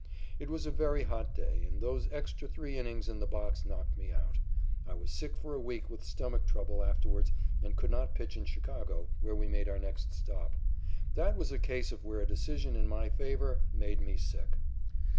It was a very hot day, and those extra three innings in the box knocked me out. I was sick for a week with stomach trouble afterwards and could not pitch in Chicago, where we made our next stop. That was a case of where a decision in my favor "made me sick."